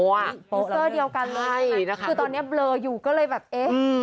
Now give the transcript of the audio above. โปรเซอร์เดียวกันเลยใช่นะคะคือตอนเนี้ยเบลออยู่ก็เลยแบบเอ๊ะอืม